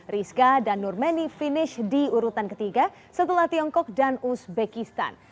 rizka dan nurmeni finish di urutan ketiga setelah tiongkok dan uzbekistan